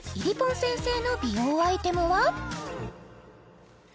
いりぽん先生の美容アイテムは？